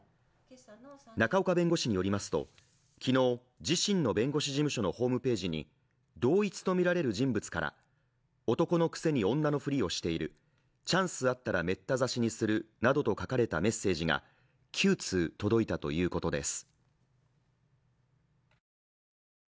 仲岡弁護士によりますと昨日、自身の弁護士事務所のホームページに同一とみられる人物から、男のくせに女のふりをしているチャンスあったらメッタ刺しにするなどと書かれたメッセージが９通届いたということです。